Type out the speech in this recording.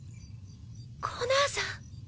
コナーさん